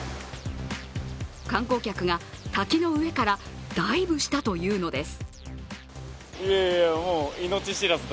観光客が滝の上からダイブしたということです。